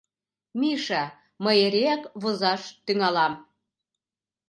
— Миша, мый эреак возаш тӱҥалам.